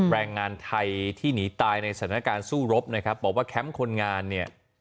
แรงงานไทยที่หนีตายในสถานการณ์สู้รบนะครับบอกว่าแคมป์คนงานเนี่ย